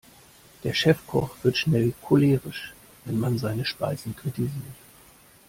Der Chefkoch wird schnell cholerisch, wenn man seine Speisen kritisiert.